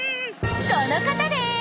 この方です！